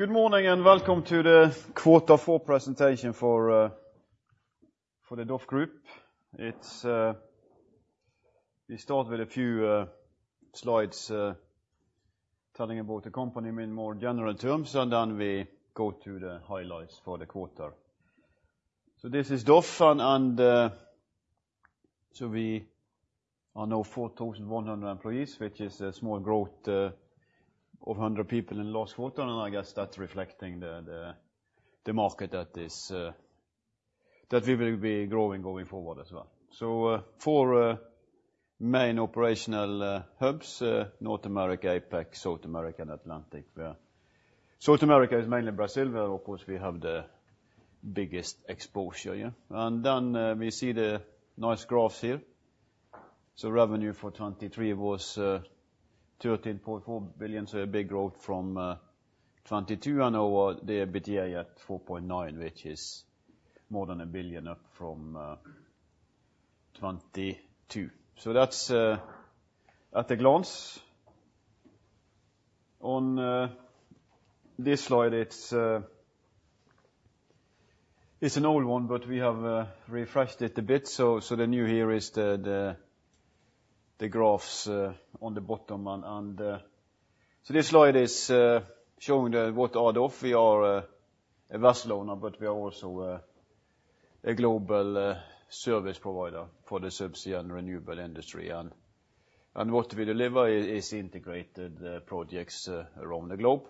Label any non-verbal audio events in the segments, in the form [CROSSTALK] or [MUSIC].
Good morning and welcome to the quarter four presentation for the DOF Group. We start with a few slides telling about the company in more general terms, and then we go to the highlights for the Q4. This is DOF, and we are now 4,100 employees, which is a small growth of 100 people in last quarter, and I guess that's reflecting the market that we will be growing going forward as well. Four main operational hubs: North America, APAC, South America, and Atlantic. South America is mainly Brazil, where of course we have the biggest exposure. Then we see the nice graphs here. Revenue for 2023 was $13.4 billion, so a big growth from 2022. Now the EBITDA is at $4.9 billion, which is more than a billion up from 2022. That's at a glance. On this slide, it's an old one, but we have refreshed it a bit, so the new here is the graphs on the bottom. This slide is showing what are DOF. We are a vessel owner, but we are also a global service provider for the subsea and renewable industry. What we deliver is integrated projects around the globe.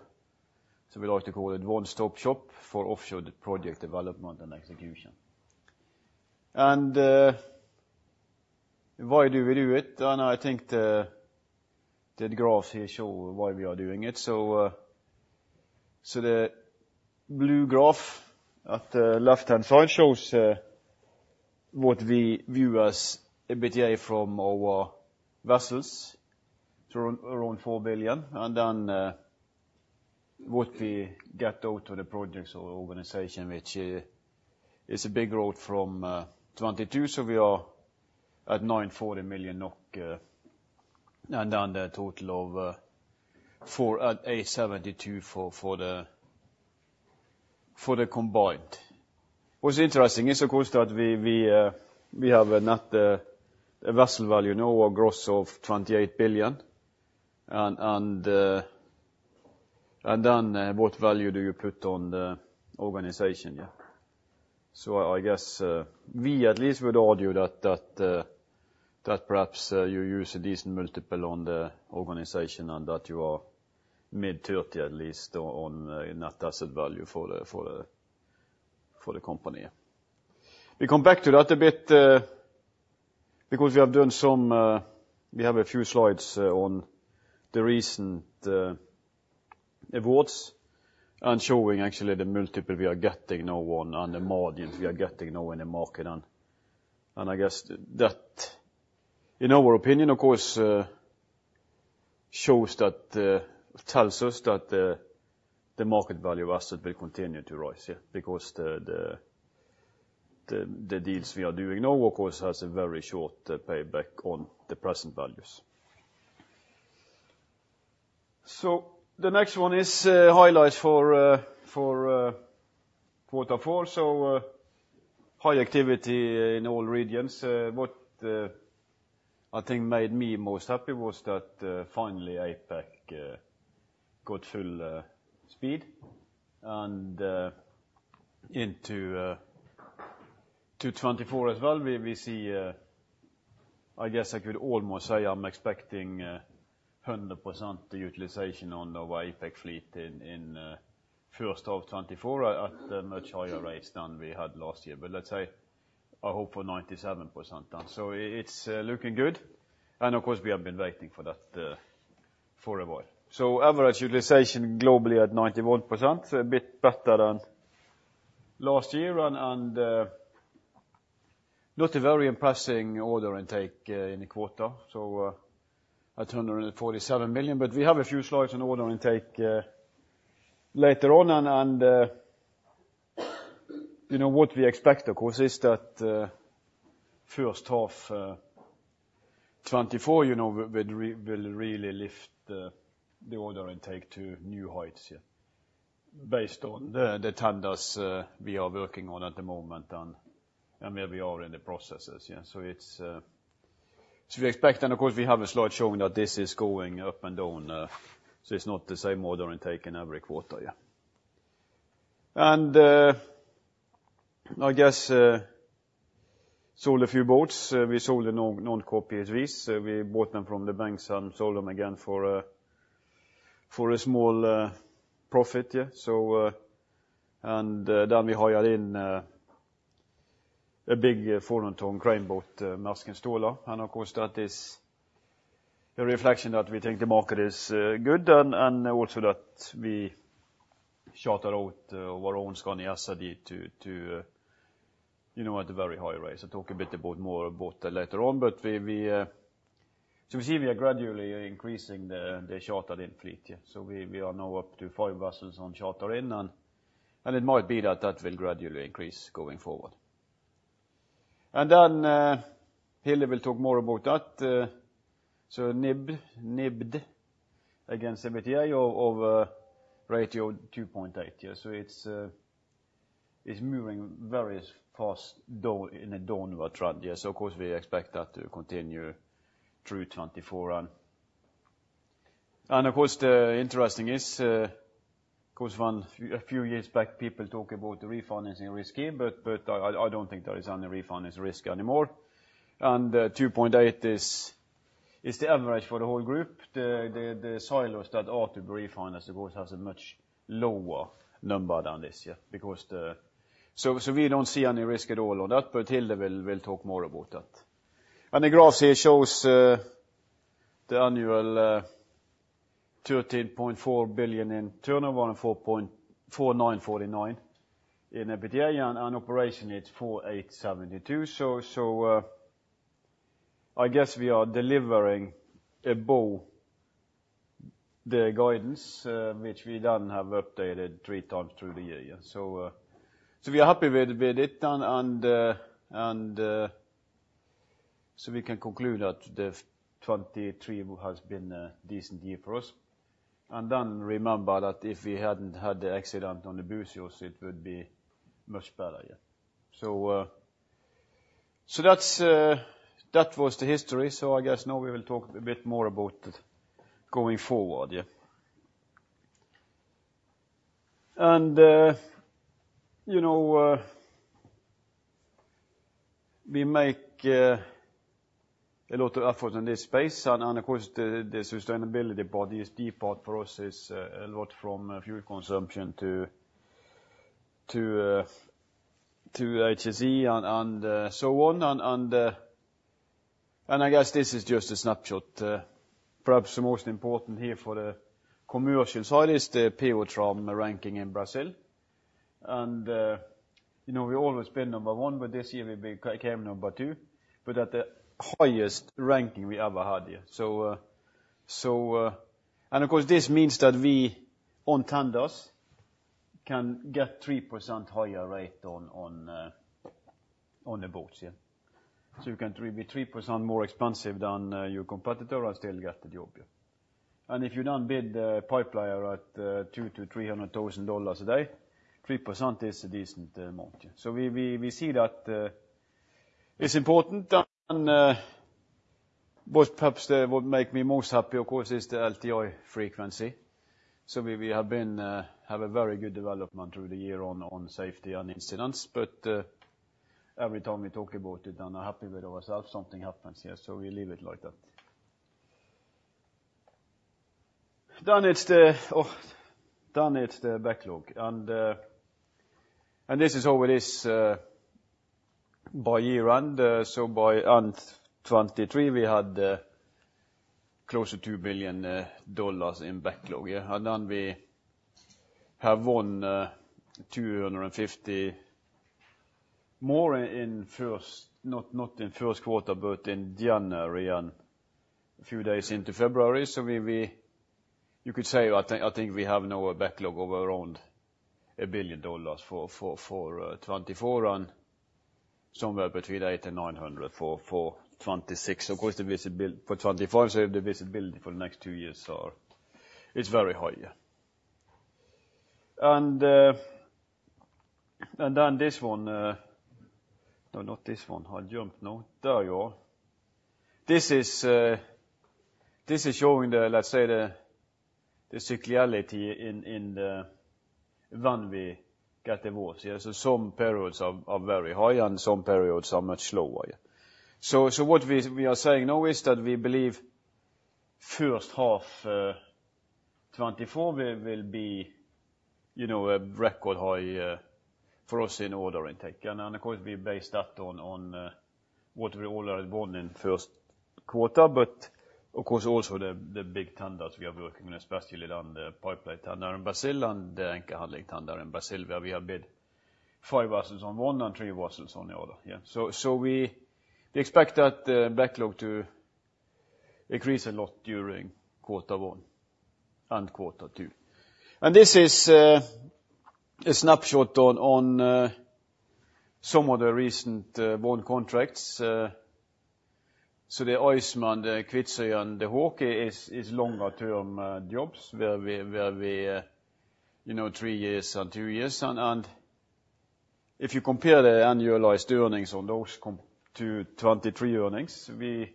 We like to call it one-stop shop for offshore project development and execution. Why do we do it? I think the graphs here show why we are doing it. The blue graph at the left-hand side shows what we view as EBITDA from our vessels, around $4 billion, and then what we get out of the projects or organization, which is a big growth from 2022. We are at 940 million NOK, and then the total of $4.72 billion for the combined. What's interesting is, of course, that we have not a vessel value now, a gross of $28 billion. Then what value do you put on the organization? I guess we, at least, would argue that perhaps you use a decent multiple on the organization and that you are mid-30, at least, on net asset value for the company. We come back to that a bit because we have done some. We have a few slides on the recent awards and showing, actually, the multiple we are getting now on and the margins we are getting now in the market. I guess that, in our opinion, of course, tells us that the market value of assets will continue to rise because the deals we are doing now, of course, have a very short payback on the present values. The next one is highlights for quarter four, so high activity in all regions. What I think made me most happy was that finally APAC got full speed. Into 2024 as well, we see I guess I could almost say I'm expecting 100% utilization on our APAC fleet in first half 2024 at a much higher rate than we had last year, but let's say I hope for 97%. It's looking good, and of course we have been waiting for that for a while. Average utilization globally at 91%, so a bit better than last year, and not a very impressive order intake in the Q4 at $147 million. But we have a few slides on order intake later on, and what we expect, of course, is that first half 2024 will really lift the order intake to new heights based on the tenders we are working on at the moment and where we are in the processes. We expect and of course we have a slide showing that this is going up and down, so it's not the same order intake in every quarter. I guess sold a few boats. We sold them non-core assets. We bought them from the banks and sold them again for a small profit. Then we hired in a big 400-ton crane boat, Maersk Installer. Of course, that is a reflection that we think the market is good and also that we charter out our own Skandi Acergy to a very high rate. I'll talk a bit about more about that later on, but we see we are gradually increasing the chartered-in fleet. We are now up to five vessels on charter in, and it might be that that will gradually increase going forward. Then Hilde will talk more about that. NIBD against EBITDA of ratio 2.8. It's moving very fast in a downward trend. Of course, we expect that to continue through 2024. Of course, the interesting is, of course, a few years back people talked about the refinancing risk here, but I don't think there is any refinance risk anymore. 2.8 is the average for the whole group. The silos that are to be refinanced, of course, have a much lower number than this because we don't see any risk at all on that, but Hilde will talk more about that. The graphs here show the annual 13.4 billion in turnover and 4.949 billion in EBITDA, and operationally it's 4.872 billion. I guess we are delivering above the guidance, which we then have updated three times through the year. We are happy with it, and so we can conclude that 2023 has been a decent year for us. Then remember that if we hadn't had the accident on the Skandi Buzios, it would be much better. That was the history, so I guess now we will talk a bit more about going forward. We make a lot of efforts in this space, and of course the sustainability part, the ESG part for us, is a lot from fuel consumption to HSE and so on. I guess this is just a snapshot, perhaps the most important here for the commercial side. It's the Petrobras ranking in Brazil. We always been number one, but this year we became number two, but at the highest ranking we ever had. Of course, this means that we on tenders can get 3% higher rate on the boats. We can be 3% more expensive than your competitor and still get the job. If you then bid the pipeliner at $200,000-$300,000 a day, 3% is a decent amount. We see that it's important. What perhaps would make me most happy, of course, is the LTI frequency. We have a very good development through the year on safety and incidents, but every time we talk about it and are happy with ourselves, something happens, so we leave it like that. Then it's the backlog, and this is how it is by year-end. By end 2023, we had closer to $2 billion in backlog, and then we have won $250 million more in first not in first quarter, but in January and a few days into February. You could say I think we have now a backlog of around $1 billion for 2024 and somewhere between $800 million and $900 million for 2026. Of course, for 2025, the visibility for the next two years is very high. Then this one no, not this one. I jumped. There you are. This is showing, let's say, the cyclicality in when we get the awards. Some periods are very high and some periods are much slower. What we are saying now is that we believe first half 2024 will be a record high for us in order intake. Of course, we base that on what we already won in first quarter, but of course also the big tenders we are working on, especially then the pipeline tender in Brazil and the anchor handling tender in Brazil. We have bid five vessels on one and three vessels on the other. We expect that backlog to increase a lot during quarter one and quarter two. This is a snapshot on some of the recent won contracts. The Skandi Iceman, the Skandi Kvitsøy, and the Skandi Hugen is longer-term jobs where we three years and two years. If you compare the annualized earnings on those to 2023 earnings, we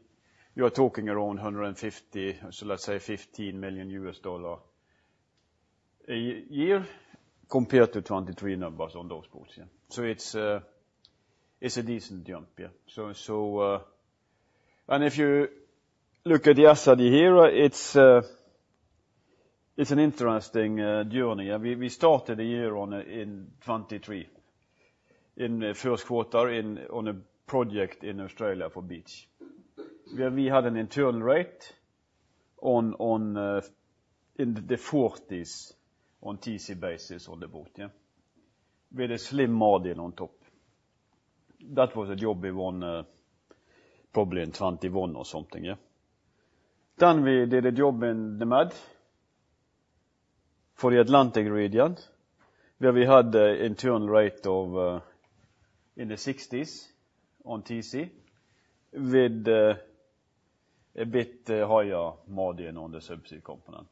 are talking around 150, so let's say $15 million a year compared to 2023 numbers on those boats. It's a decent jump. If you look at the Skandi Acergy here, it's an interesting journey. We started the year in 2023 in first quarter on a project in Australia for Beach. We had an internal rate in the 40s on TC basis on the boat with a slim margin on top. That was a job we won probably in 2021 or something. Then we did a job in the MAD for the Atlantic region where we had an internal rate in the 60s on TC with a bit higher margin on the subsea component.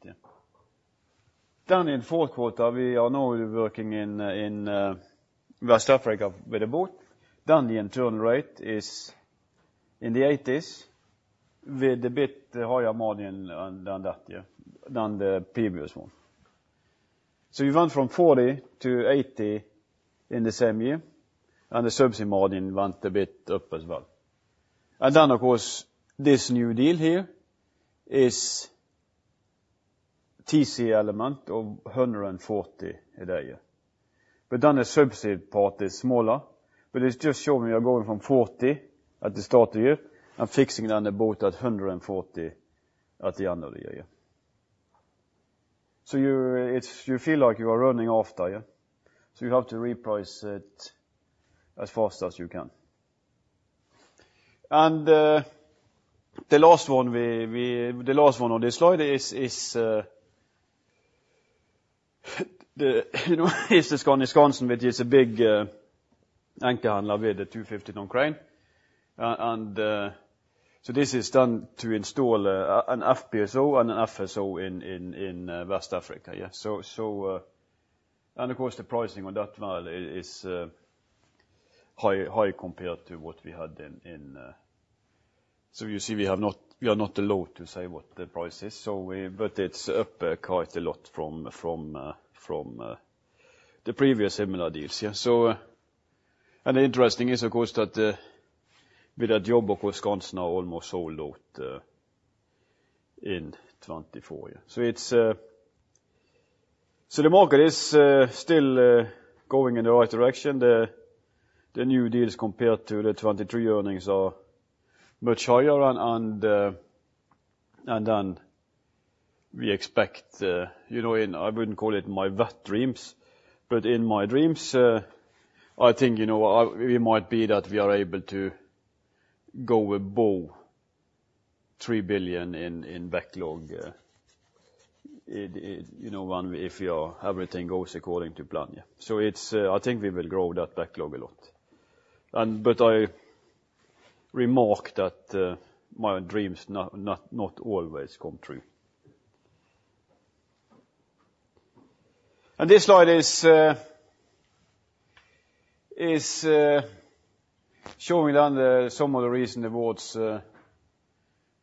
Then in fourth quarter, we are now working in West Africa with the boat. Then the internal rate is in the 80s with a bit higher margin than that, than the previous one. We went from 40 to 80 in the same year, and the subsea margin went a bit up as well. Then, of course, this new deal here is TC element of $140 a day, but then the subsea part is smaller. It's just showing we are going from $40 at the start of the year and fixing then the boat at $140 at the end of the year. You feel like you are running after, so you have to reprice it as fast as you can. The last one on this slide is the Skandi Skansen, which is a big anchor handler with a 250-ton crane. This is done to install an FPSO and an FSO in West Africa. Of course, the pricing on that one is high compared to what we had in, you see, we are not the low to say what the price is, but it's up quite a lot from the previous similar deals. The interesting is, of course, that with that job, of course, Skandi Skansen are almost all low in 2024. The market is still going in the right direction. The new deals compared to the 2023 earnings are much higher, and then we expect in I wouldn't call it my wet dreams, but in my dreams, I think we might be that we are able to go above $3 billion in backlog if everything goes according to plan. I think we will grow that backlog a lot, but I remark that my dreams not always come true. This slide is showing then some of the recent awards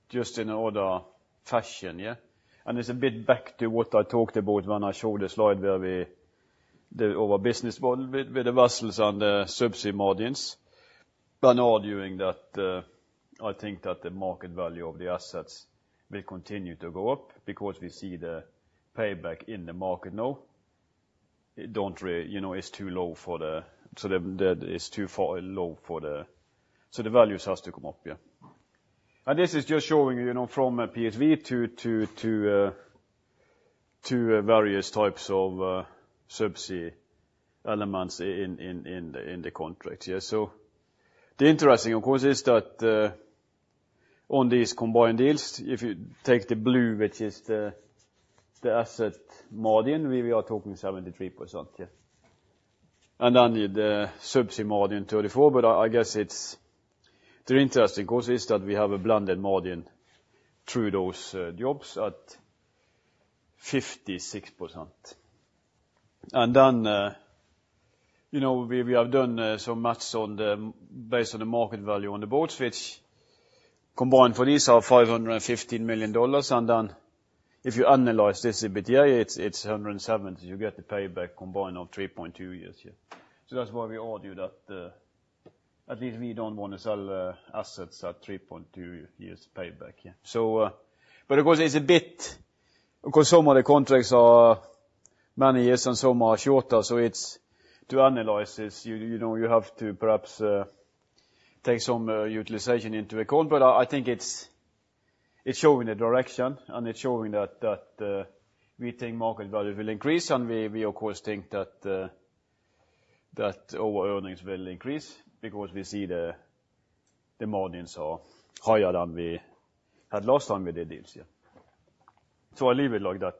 just in another fashion. It's a bit back to what I talked about when I showed the slide where we our business model with the vessels and the subsea margins. Then arguing that I think that the market value of the assets will continue to go up because we see the payback in the market now. It's too low for the so it's too far low for the so the values have to come up. This is just showing from PSV to various types of subsea elements in the contracts. The interesting, of course, is that on these combined deals, if you take the blue, which is the asset margin, we are talking 73%, and then the subsea margin 34%. But I guess the interesting, of course, is that we have a blended margin through those jobs at 56%. Then we have done some math based on the market value on the boats, which combined for these are $515 million. Then if you analyze this EBITDA, it's $170 million. You get the payback combined of 3.2 years. That's why we argue that at least we don't want to sell assets at 3.2 years payback. But of course, it's a bit because some of the contracts are many years and some are shorter, so it's to analyze this. You have to perhaps take some utilization into account, but I think it's showing the direction and it's showing that we think market value will increase. We, of course, think that our earnings will increase because we see the margins are higher than we had last time with the deals. I leave it like that.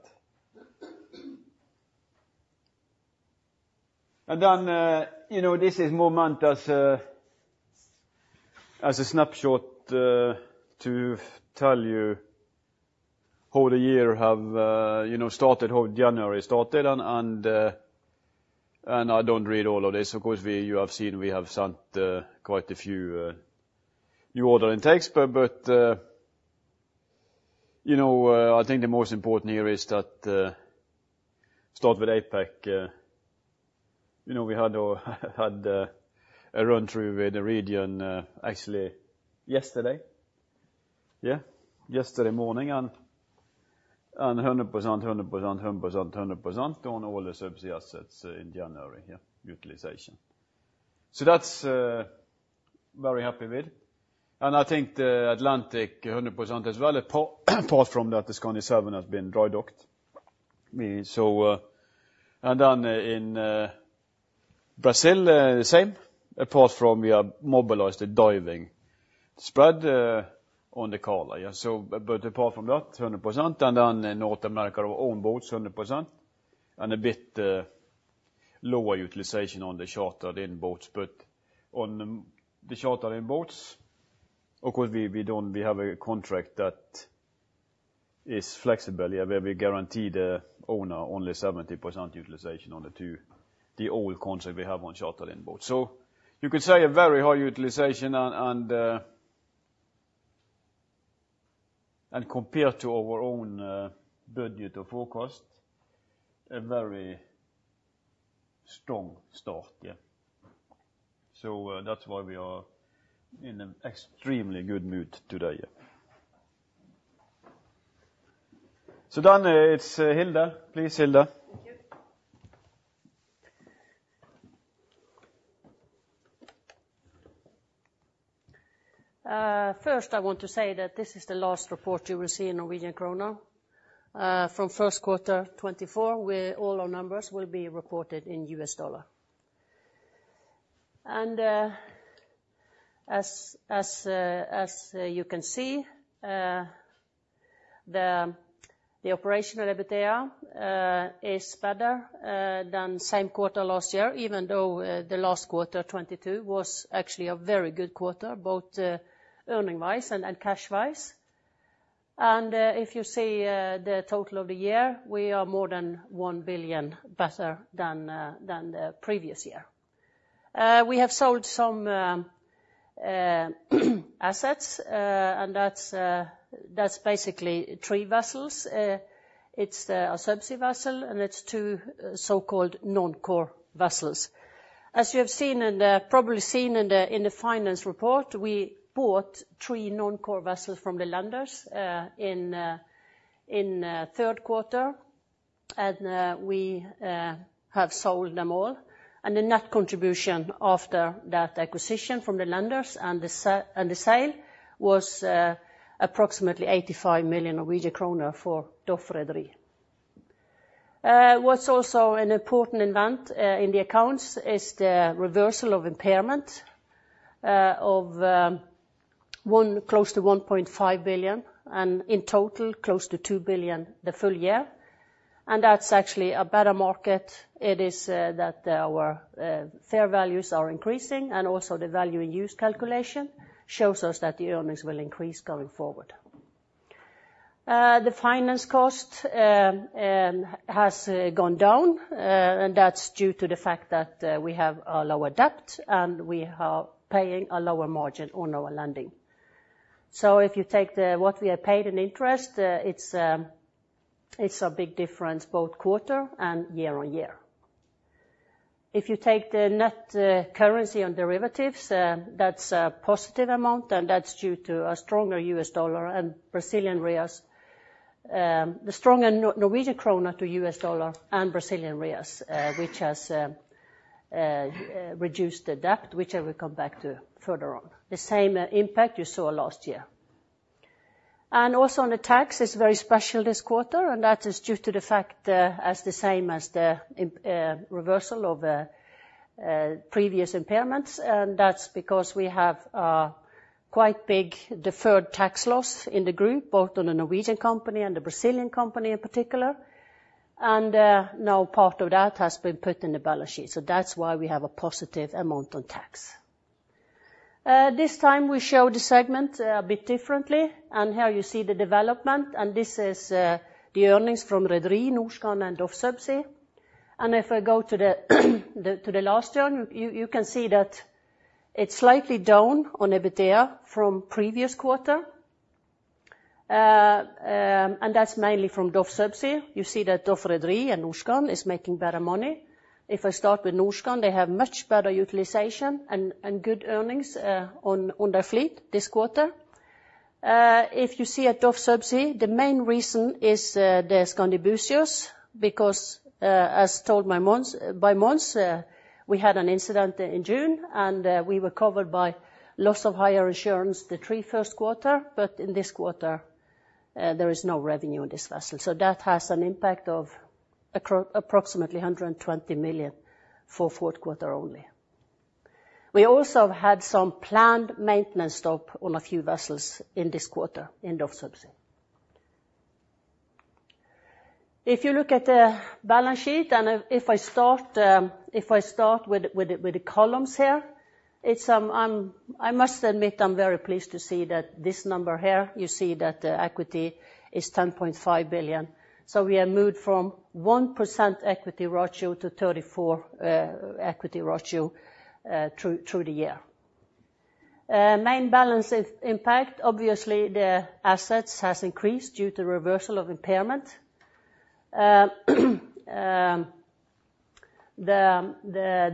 Then this is more as a snapshot to tell you how the year have started, how January started, and I don't read all of this. Of course, you have seen we have sent quite a few new order intakes, but I think the most important here is that start with APAC. We had a run-through with region actually yesterday morning and 100%, 100%, 100%, 100% on all the subsea assets in January, utilization. That's very happy with. I think the Atlantic 100% as well, apart from that, the Skandi Seven has been dry docked. Then in Brazil, the same, apart from we have mobilized the diving spread on the Carla. But apart from that, 100%, and then North America on boats 100% and a bit lower utilization on the chartered inboats. But on the chartered inboats, of course, we have a contract that is flexible where we guarantee the owner only 70% utilization on the two the old contract we have on chartered inboats. You could say a very high utilization and compared to our own budget or forecast, a very strong start. That's why we are in an extremely good mood today. Then it's Hilde. Please, Hilde. Thank you. First, I want to say that this is the last report you will see in Norwegian kroner from first quarter 2024. All our numbers will be reported in U.S. dollar. As you can see, the operational EBITDA is better than same quarter last year, even though the last quarter 2022 was actually a very good quarter both earning-wise and cash-wise. If you see the total of the year, we are more than 1 billion better than the previous year. We have sold some assets, and that's basically three vessels. It's a subsea vessel, and it's two so-called non-core vessels. As you have seen and probably seen in the finance report, we bought three non-core vessels from the lenders in third quarter, and we have sold them all. The net contribution after that acquisition from the lenders and the sale was approximately NOK 85 million for DOF Rederi. What's also an important event in the accounts is the reversal of impairment of close to $1.5 billion and in total close to $2 billion the full year. That's actually a better market. It is that our fair values are increasing, and also the value in use calculation shows us that the earnings will increase going forward. The finance cost has gone down, and that's due to the fact that we have a lower debt and we are paying a lower margin on our lending. If you take what we have paid in interest, it's a big difference both quarter-on-quarter and year-on-year. If you take the net currency on derivatives, that's a positive amount, and that's due to a stronger US dollar and Brazilian reals the stronger Norwegian kroner to U.S. dollar and Brazilian reals, which has reduced the debt, which I will come back to further on. The same impact you saw last year. Also on the tax, it's very special this quarter, and that is due to the fact as the same as the reversal of previous impairments. That's because we have quite big deferred tax loss in the Group, both on the Norwegian company and the Brazilian company in particular. Now, part of that has been put in the balance sheet, so that's why we have a positive amount on tax. This time, we show the segment a bit differently, and here you see the development. This is the earnings from Rederi, Norskan, and DOF Subsea. If I go to the last term, you can see that it's slightly down on EBITDA from previous quarter, and that's mainly from DOF Subsea. You see that DOF Rederi and Norskan is making better money. If I start with Norskan, they have much better utilization and good earnings on their fleet this quarter. If you see at DOF Subsea, the main reason is the Skandi Buzios because, as told by Mons Aase, we had an incident in June, and we were covered by loss of higher insurance the three first quarter, but in this quarter, there is no revenue in this vessel. That has an impact of approximately 120 million for fourth quarter only. We also have had some planned maintenance stop on a few vessels in this quarter in DOF Subsea. If you look at the balance sheet and if I start with the columns here, I must admit I'm very pleased to see that this number here, you see that the equity is 10.5 billion. We have moved from 1% equity ratio to 34% equity ratio through the year. Main balance impact, obviously, the assets has increased due to reversal of impairment. The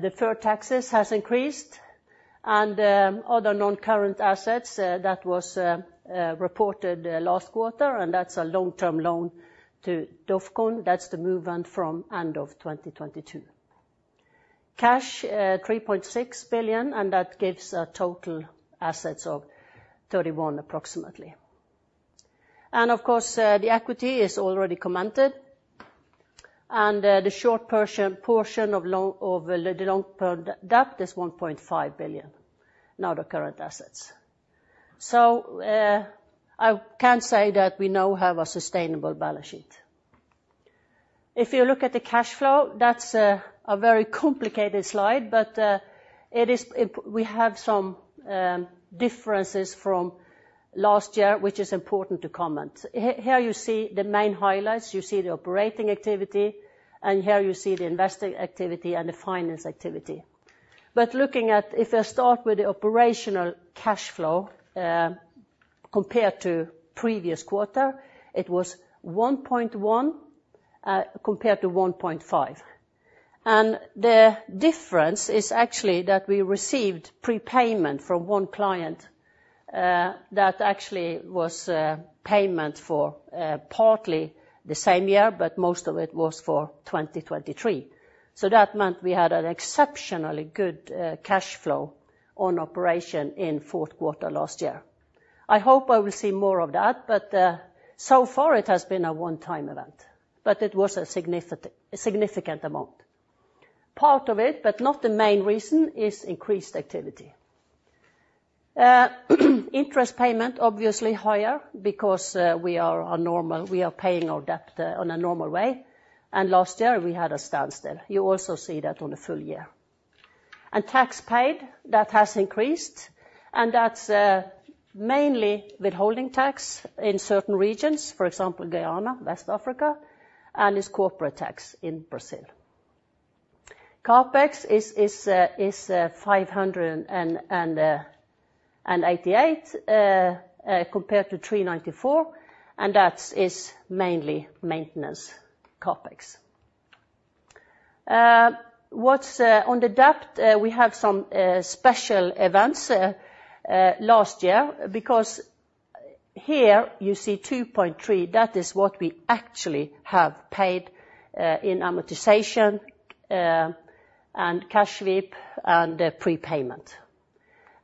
deferred taxes have increased and other non-current assets that were reported last quarter, and that's a long-term loan to DOFCON. That's the movement from end of 2022. Cash, $3.6 billion, and that gives a total assets of $31 billion approximately. Of course, the equity is already commanded, and the short portion of the long-term debt is $1.5 billion, not the current assets. I can say that we now have a sustainable balance sheet. If you look at the cash flow, that's a very complicated slide, but we have some differences from last year, which is important to comment. Here you see the main highlights. You see the operating activity, and here you see the investor activity and the finance activity. But looking at if I start with the operational cash flow compared to previous quarter, it was 1.1 compared to 1.5. The difference is actually that we received prepayment from one client that actually was payment for partly the same year, but most of it was for 2023. That meant we had an exceptionally good cash flow on operation in fourth quarter last year. I hope I will see more of that, but so far, it has been a one-time event, but it was a significant amount. Part of it, but not the main reason, is increased activity. Interest payment, obviously, higher because we are paying our debt on a normal way, and last year, we had a standstill. You also see that on the full year. Tax paid, that has increased, and that's mainly withholding tax in certain regions, for example, Guyana, West Africa, and it's corporate tax in Brazil. CapEx is $588 million compared to $394 million, and that is mainly maintenance CapEx. On the debt, we have some special events last year because here you see $2.3 billion. That is what we actually have paid in amortization and cash sweep and prepayment.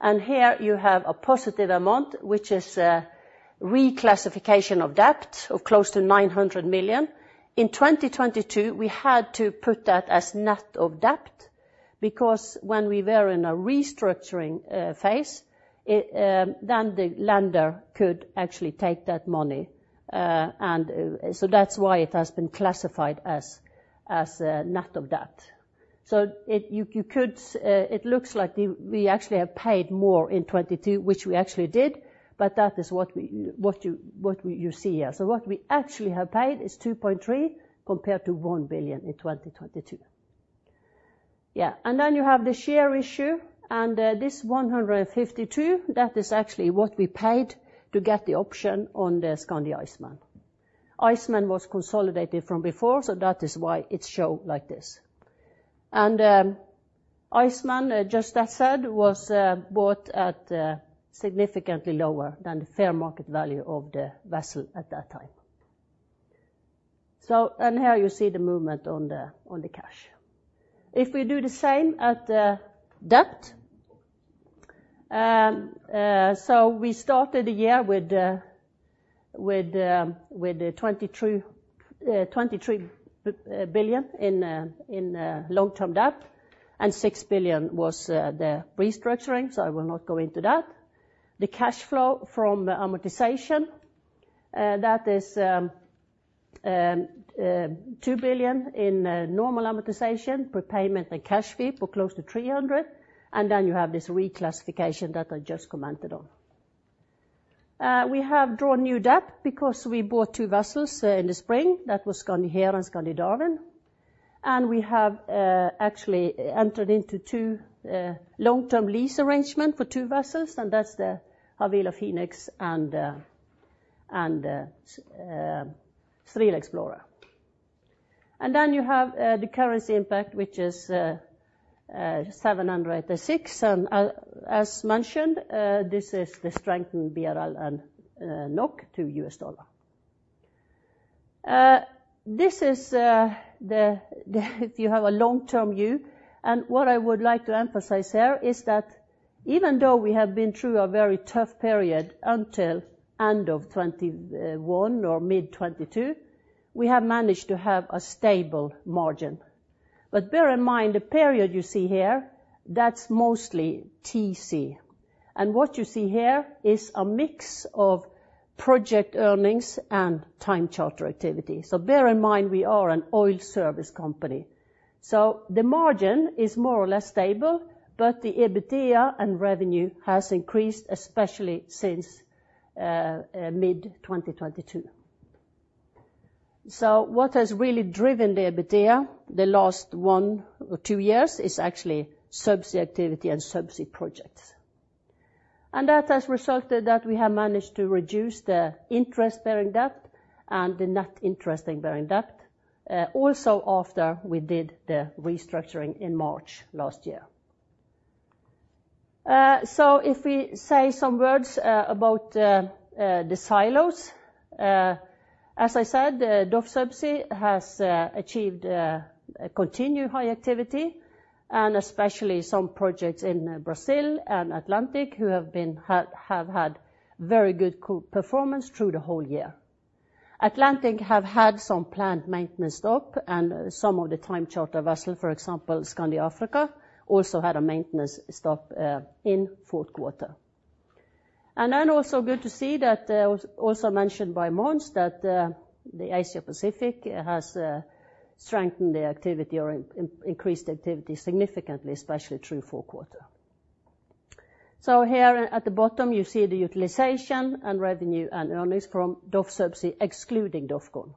Here you have a positive amount, which is reclassification of debt of close to $900 million. In 2022, we had to put that as net debt because when we were in a restructuring phase, then the lender could actually take that money. That's why it has been classified as net debt. It looks like we actually have paid more in 2022, which we actually did, but that is what you see here. What we actually have paid is $2.3 billion compared to $1 billion in 2022. Then you have the share issue, and this $152 million, that is actually what we paid to get the option on the Skandi Iceman. The Skandi Iceman was consolidated from before, so that is why it showed like this. The Skandi Iceman, just as said, was bought at significantly lower than the fair market value of the vessel at that time. Here you see the movement on the cash. If we do the same at debt, we started the year with $23 billion in long-term debt and $6 billion was the restructuring, so I will not go into that. The cash flow from amortization, that is $2 billion in normal amortization, prepayment, and cash sweep or close to $300 million, and then you have this reclassification that I just commented on. We have drawn new debt because we bought two vessels in the spring. That was Skandi Hera and Skandi Darwin. We have actually entered into two long-term lease arrangements for two vessels, and that's the Havila Phoenix and Stril Explorer. Then you have the currency impact, which is $786. As mentioned, this is the strengthened BRL and NOK to U.S. dollar. This is if you have a long-term view. What I would like to emphasize here is that even though we have been through a very tough period until end of 2021 or mid 2022, we have managed to have a stable margin. But bear in mind the period you see here, that's mostly TC. What you see here is a mix of project earnings and time charter activity. Bear in mind we are an oil service company. The margin is more or less stable, but the EBITDA and revenue have increased, especially since mid-2022. What has really driven the EBITDA the last one or two years is actually subsea activity and subsea projects. That has resulted that we have managed to reduce the interest-bearing debt and the net interest-bearing debt, also after we did the restructuring in March last year. If we say some words about the silos, as I said, DOF Subsea has achieved continued high activity, and especially some projects in Brazil and Atlantic who have had very good performance through the whole year. Atlantic have had some planned maintenance stop, and some of the time charter vessels, for example, Skandi Africa, also had a maintenance stop in fourth quarter. Then also good to see that, also mentioned by Mons, that the Asia Pacific has strengthened the activity or increased activity significantly, especially through fourth quarter. Here at the bottom, you see the utilization and revenue and earnings from DOF Subsea excluding DOFCon.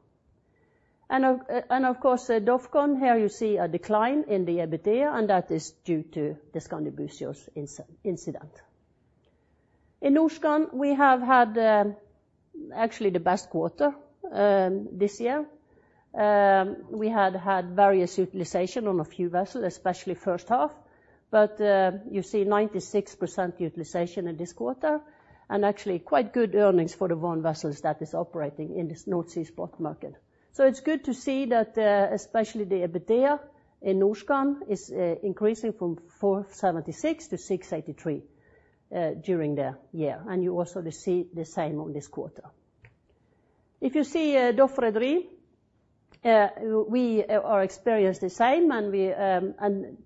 Of course, DOFCon, here you see a decline in the EBITDA, and that is due to the Skandi Buzios incident. In Norskan, we have had actually the best quarter this year. We had had various utilization on a few vessels, especially first half, but you see 96% utilization in this quarter and actually quite good earnings for the one vessel that is operating in the North Sea spot market. It's good to see that especially the EBITDA in Norskan is increasing from $476 to $683 during the year, and you also see the same on this quarter. If you see DOF Rederi, we are experiencing the same, and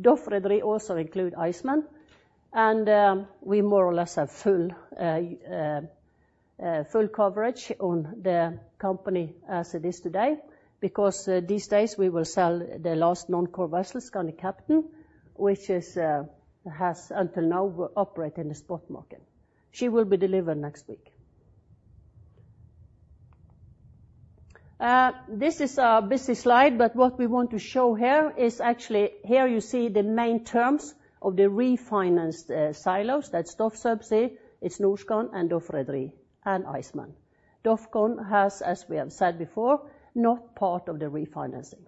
DOF Rederi also includes Iceman. We more or less have full coverage on the company as it is today because these days we will sell the last non-core vessel, Skandi Captain, which has until now operated in the spot market. She will be delivered next week. This is a busy slide, but what we want to show here is actually here you see the main terms of the refinanced silos. That's DOF Subsea, it's Norskan, and DOF Rederi, and Iceman. DOFCon has, as we have said before, not part of the refinancing.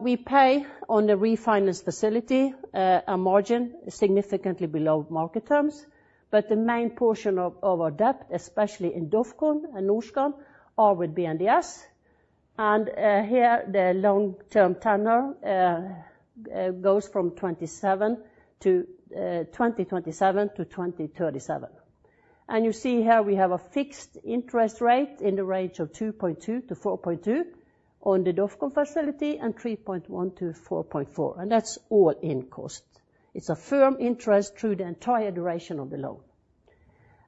We pay on the refinance facility a margin significantly below market terms, but the main portion of our debt, especially in DOFCon and Norskan, are with BNDES. Here the long-term tenor goes from 2027 to 2037. You see here we have a fixed interest rate in the range of 2.2-4.2 on the DOFCON facility and 3.1-4.4, and that's all in cost. It's a firm interest through the entire duration of the loan.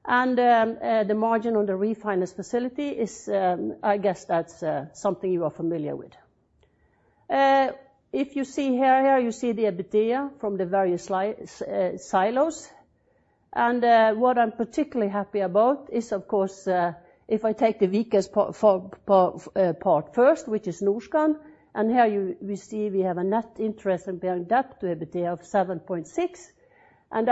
The margin on the refinance facility is, I guess, that's something you are familiar with. If you see here, here you see the EBITDA from the various silos. What I'm particularly happy about is, of course, if I take the weakest part first, which is Norskan. Here we see we have a net interest-bearing debt to EBITDA of 7.6, and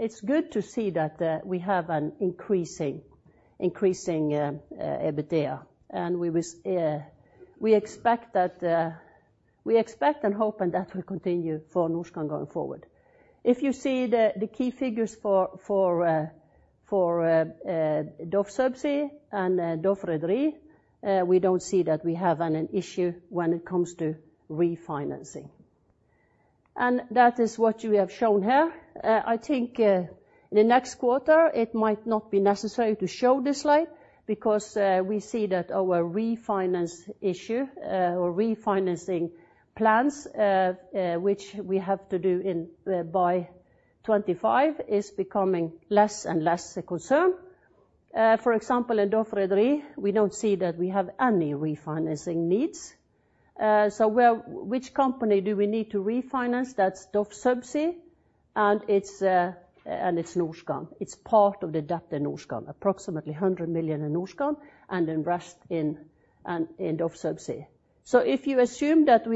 it's good to see that we have an increasing EBITDA. We expect and hope that will continue for Norskan going forward. If you see the key figures for DOF Subsea and DOF Rederi, we don't see that we have an issue when it comes to refinancing. That is what we have shown here. I think in the next quarter, it might not be necessary to show this slide because we see that our refinance issue or refinancing plans, which we have to do by 2025, is becoming less and less a concern. For example, in DOF Rederi, we don't see that we have any refinancing needs. Which company do we need to refinance? That's DOF Subsea and it's Norskan. It's part of the debt in Norskan, approximately $100 million in Norskan, and then rest in DOF Subsea. If you assume that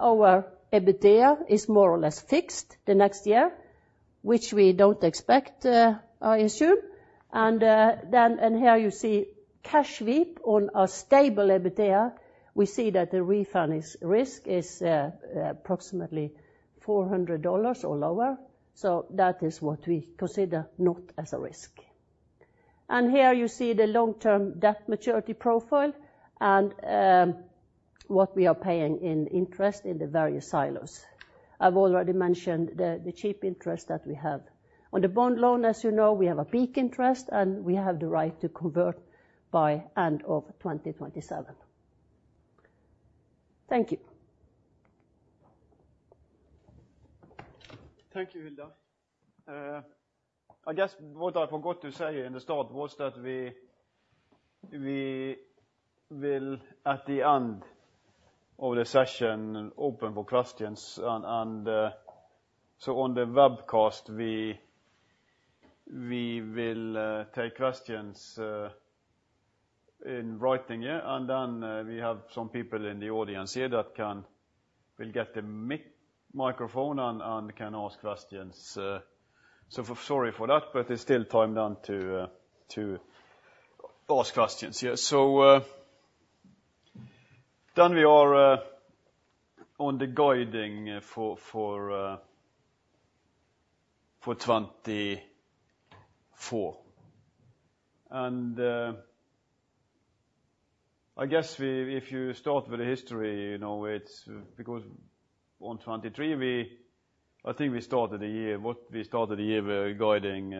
our EBITDA is more or less fixed the next year, which we don't expect, I assume, and here you see cash sweep on a stable EBITDA, we see that the refinance risk is approximately $400 or lower. That is what we consider not as a risk. Here you see the long-term debt maturity profile and what we are paying in interest in the various silos. I've already mentioned the cheap interest that we have. On the bond loan, as you know, we have a PIK interest, and we have the right to convert by end of 2027. Thank you. Thank you, Hilde. I guess what I forgot to say in the start was that we will, at the end of the session, open for questions. On the webcast, we will take questions in writing, and then we have some people in the audience here that will get the microphone and can ask questions. Sorry for that, but it's still time then to ask questions. Then we are on the guidance for 2024. I guess if you start with the history, because in 2023, I think we started the year with guiding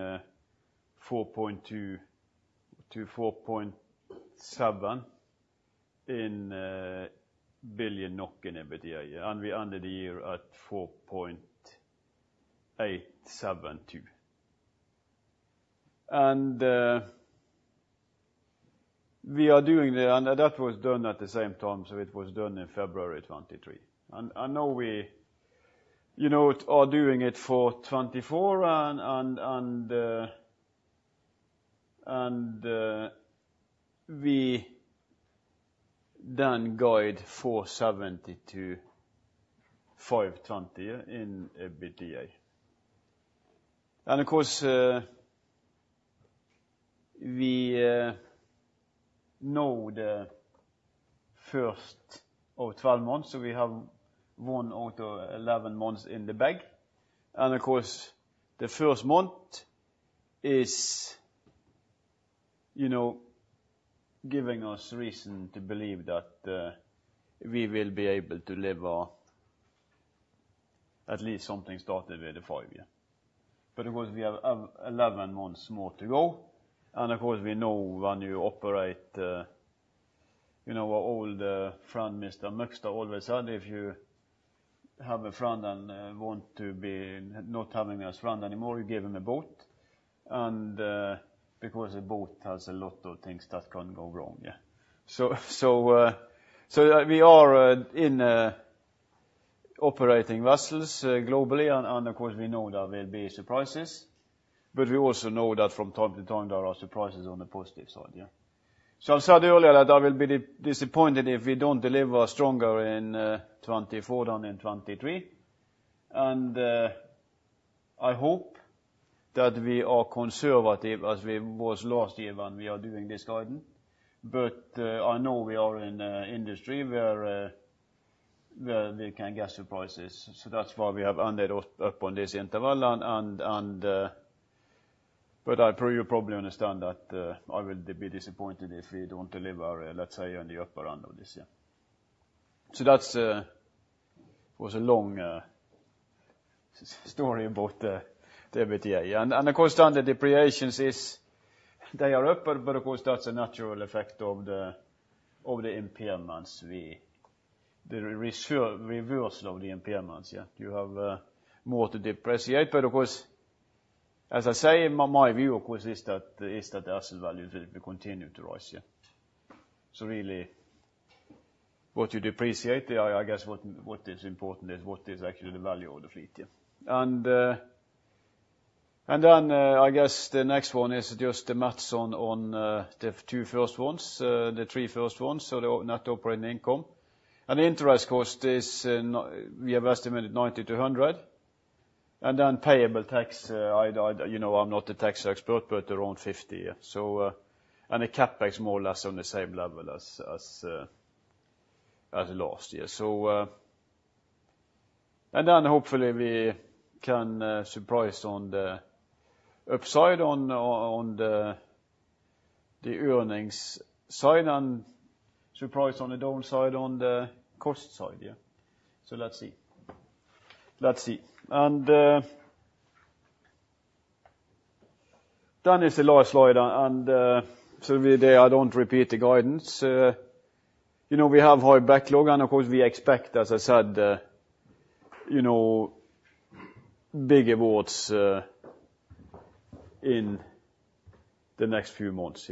4.2 billion-4.7 billion NOK in EBITDA, and we ended the year at 4.872 billion. We are doing the, and that was done at the same time, so it was done in February 2023. I know we are doing it for 2024, and we then guide 4.7 billion-5.2 billion in EBITDA. Of course, we know the first of 12 months, so we have one out of 11 months in the bag. Of course, the first month is giving us reason to believe that we will be able to live at least something started with a five-year. Of course, we have 11 months more to go, and of course, we know when you operate, what old friend Mr. Møgster always said, if you have a friend and want to be not having a friend anymore, you give him a boat. Because a boat has a lot of things that can go wrong. We are operating vessels globally, and of course, we know there will be surprises, but we also know that from time to time there are surprises on the positive side. I said earlier that I will be disappointed if we don't deliver stronger in 2024 than in 2023. I hope that we are conservative as we were last year when we are doing this guiding, but I know we are in an industry where we can get surprises. That's why we have ended up on this interval, but you probably understand that I will be disappointed if we don't deliver, let's say, on the upper end of this year. That was a long story about the EBITDA. Of course, standard depreciation is that they are higher, but of course, that's a natural effect of the impairments, the reversal of the impairments. You have more to depreciate, but of course, as I say, my view, of course, is that the asset value will continue to rise. Really, what you depreciate, I guess what is important is what is actually the value of the fleet. Then I guess the next one is just the math on the two first ones, the three first ones, so the net operating income. The interest cost is we have estimated $90 million-$100 million. Then payable tax, I'm not the tax expert, but around $50 million. The CapEx is more or less on the same level as last year. Then hopefully we can surprise on the upside on the earnings side and surprise on the downside on the cost side. Let's see. Then is the last slide. I don't repeat the guidance. We have high backlog, and of course we expect, as I said, bigger awards in the next few months.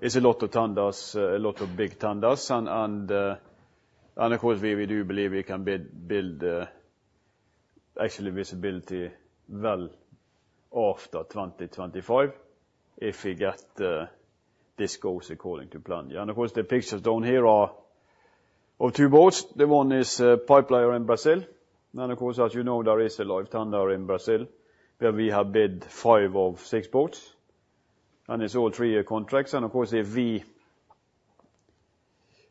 It's a lot of tenders, a lot of big tenders. Of course, we do believe we can build actually visibility well after 2025 if we get this goes according to plan. Of course, the pictures down here are of two boats. The one is pipelayer in Brazil. Of course, as you know, there is a live tender in Brazil where we have bid five of six boats, and it's all three-year contracts. Of course, if we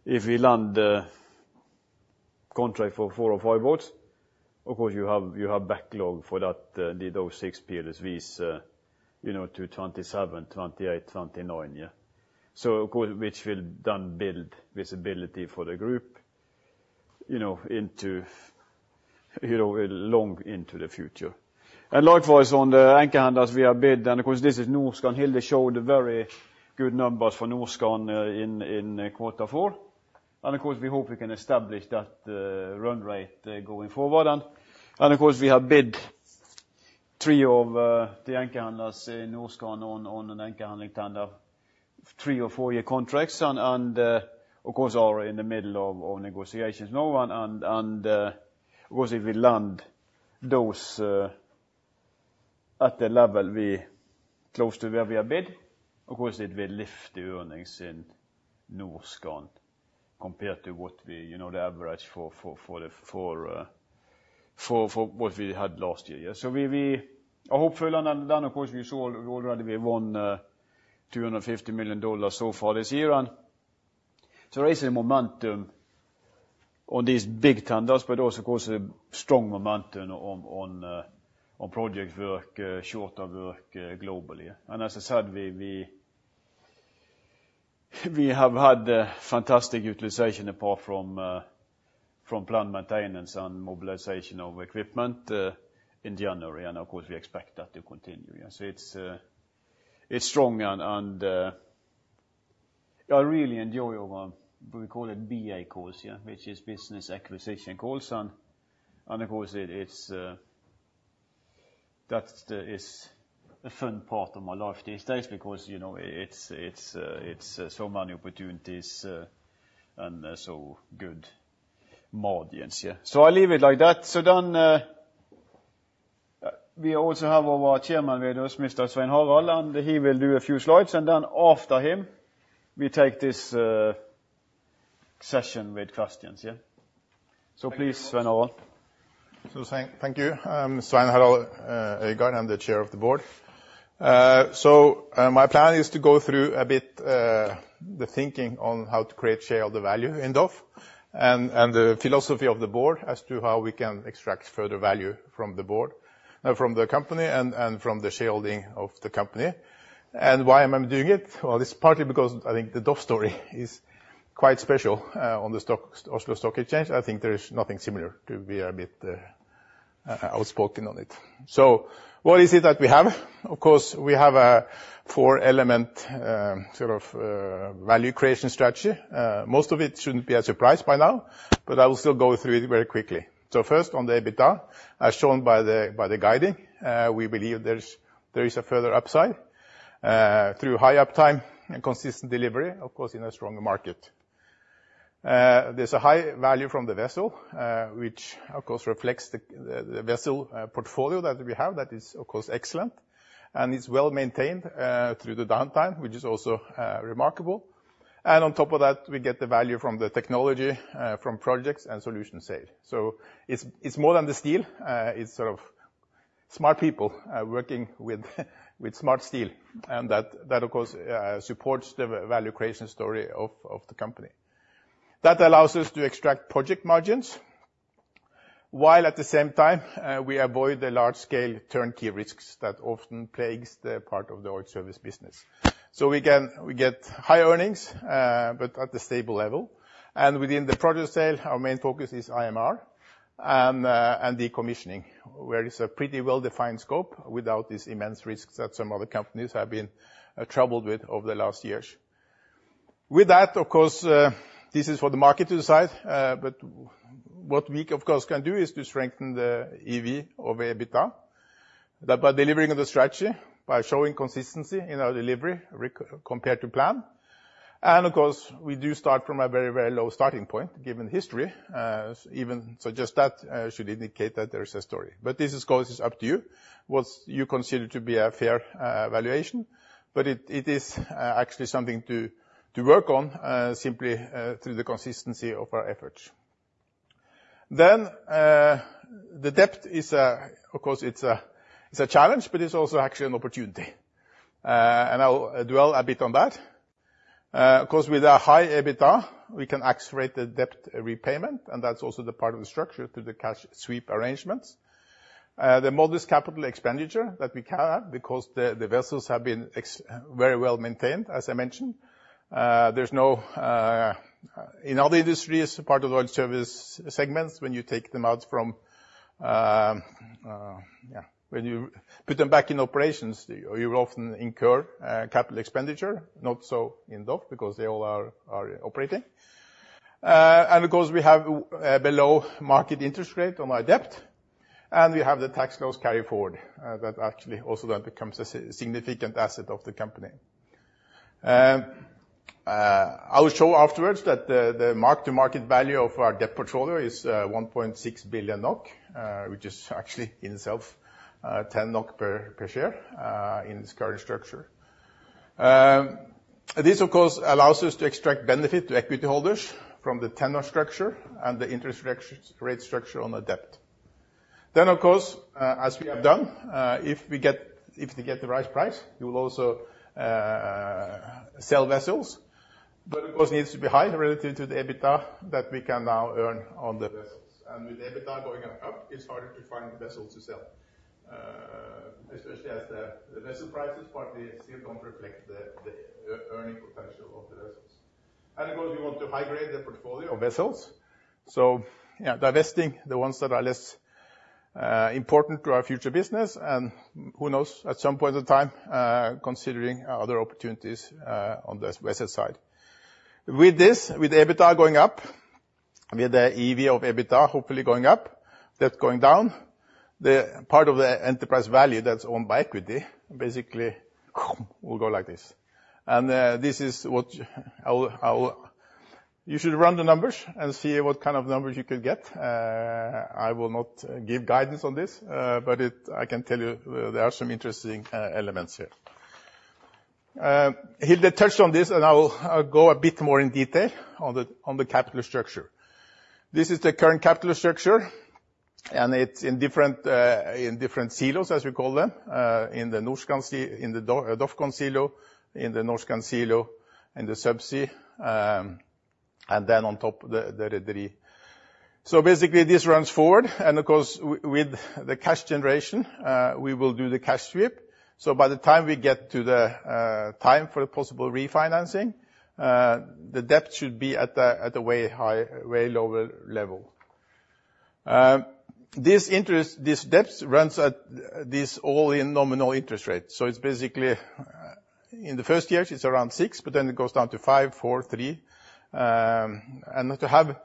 land a contract for 4 or 5 boats, of course you have backlog for those six periods vis to 2027, 2028, 2029, which will then build visibility for the group long into the future. Likewise, on the anchor handlers, we have bid, and of course this is Norskan. Hilde showed very good numbers for Norskan in quarter four. Of course, we hope we can establish that run rate going forward. Of course, we have bid 3 of the anchor handlers in Norskan on an anchor handling tender, three or four year contracts, and of course are in the middle of negotiations. Of course, if we land those at the level close to where we have bid, of course it will lift the earnings in Norskan compared to what we the average for what we had last year. I'm hopeful, and then of course we already won $250 million so far this year. There is a momentum on these big tenders, but also of course a strong momentum on project work, shorter work globally. As I said, we have had fantastic utilization apart from planned maintenance and mobilization of equipment in January, and of course we expect that to continue. It's strong, and I really enjoy what we call it BA calls, which is business acquisition calls. Of course, that is a fun part of my life these days because it's so many opportunities and so good audience. I leave it like that. Then we also have our chairman with us, Mr. Svein Harald Øygard, and he will do a few slides. Then after him, we take this session with questions. Please, Svein Harald. Thank you. Svein Harald Øygard, I'm the Chair of the Board. My plan is to go through a bit the thinking on how to create shareholder value in DOF and the philosophy of the board as to how we can extract further value from the board, from the company, and from the shareholding of the company. Why am I doing it? It's partly because I think the DOF story is quite special on the Oslo Stock Exchange. I think there is nothing similar to be a bit outspoken on it. What is it that we have? Of course, we have a four-element value creation strategy. Most of it shouldn't be a surprise by now, but I will still go through it very quickly. First, on the EBITDA, as shown by the guiding, we believe there is a further upside through high uptime and consistent delivery, of course, in a stronger market. There's a high value from the vessel, which of course reflects the vessel portfolio that we have that is of course excellent and is well maintained through the downtime, which is also remarkable. On top of that, we get the value from the technology, from projects, and solution sale. It's more than the steel. It's smart people working with smart steel, and that of course supports the value creation story of the company. That allows us to extract project margins while at the same time we avoid the large-scale turnkey risks that often plague part of the oil service business. We get high earnings, but at a stable level. Within the project sale, our main focus is IMR and decommissioning, where it's a pretty well-defined scope without these immense risks that some other companies have been troubled with over the last years. With that, of course, this is for the market to decide, but what we of course can do is to strengthen the EV of EBITDA by delivering on the strategy, by showing consistency in our delivery compared to plan. Of course, we do start from a very low starting point given history. Even just that should indicate that there is a story, but this is of course up to you what you consider to be a fair valuation. It is actually something to work on simply through the consistency of our efforts. Then the debt is, of course, it's a challenge, but it's also actually an opportunity. I'll dwell a bit on that. Of course, with a high EBITDA, we can accelerate the debt repayment, and that's also the part of the structure through the cash sweep arrangements. The modest capital expenditure that we can have because the vessels have been very well maintained, as I mentioned. In other industries, part of the oil service segments, when you take them out from when you put them back in operations, you often incur capital expenditure, not so in DOF because they all are operating. Of course, we have below market interest rate on our debt, and we have the tax losses carried forward that actually also then becomes a significant asset of the company. I will show afterwards that the mark-to-market value of our debt portfolio is 1.6 billion NOK, which is actually in itself 10 NOK per share in this current structure. This, of course, allows us to extract benefit to equity holders from the 10 NOK structure and the interest rate structure on the debt. Then, of course, as we have done, if we get the right price, you will also sell vessels, but of course it needs to be high relative to the EBITDA that we can now earn on the vessels. With EBITDA going up, it's harder to find vessels to sell, especially as the vessel prices partly still don't reflect the earning potential of the vessels. Of course, we want to high-grade the portfolio of vessels, divesting the ones that are less important to our future business, and who knows, at some point in time, considering other opportunities on the vessel side. With this, with EBITDA going up, with the EV of EBITDA hopefully going up, debt going down, part of the enterprise value that's owned by equity basically will go like this. This is what I tell you: you should run the numbers and see what kind of numbers you could get. I will not give guidance on this, but I can tell you there are some interesting elements here. Hilde touched on this, and I'll go a bit more in detail on the capital structure. This is the current capital structure, and it's in different silos, as we call them, in the DOFCON silo, in the Norskan silo, in the subsea, and then on top, the Rederi. Basically, this runs forward, and of course, with the cash generation, we will do the cash sweep. By the time we get to the time for the possible refinancing, the debt should be at a way lower level. This debt runs at this all-in nominal interest rate. Basically, in the first years, it's around 6%, but then it goes down to 5%, 4%, 3%. To have